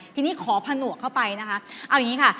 ทีนี้ขอผนวกเข้าไปนะคะ